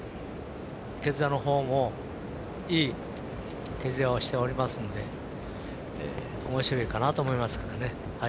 毛づやのほうも、いい毛づやをしておりますのでおもしろいかなと思います。